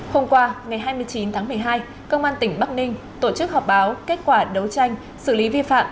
hôm qua ngày hai mươi chín tháng một mươi hai công an tỉnh bắc ninh tổ chức họp báo kết quả đấu tranh xử lý vi phạm